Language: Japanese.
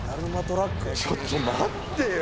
ちょっと待ってよ